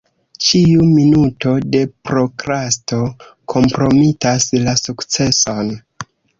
Ĉiu minuto de prokrasto kompromitas la sukceson.